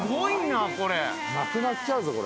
なくなっちゃうぞこれ。